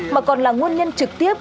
mà còn là nguồn nhân trực tiếp